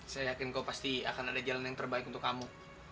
saya yakin kau pasti akan ada jalan yang terbaik untuk kamu